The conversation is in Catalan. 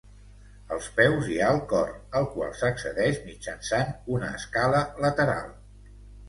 Als peus hi ha el cor, al qual s'accedeix mitjançant una escala lateral.